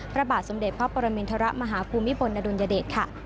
พระบาทสมเด็จพระปรมินทรมาฮภูมิพลอดุลยเดชค่ะ